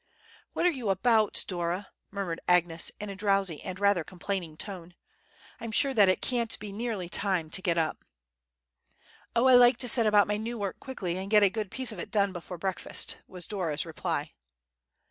"What are you about, Dora?" murmured Agnes, in a drowsy and rather complaining tone; "I'm sure that it can't be nearly time to get up." "Oh, I like to set about my new work quickly, and get a good piece of it done before breakfast," was Dora's reply.